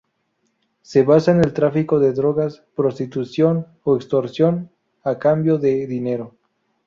Se basan en el tráfico de drogas, prostitución o extorsión a cambio de dinero.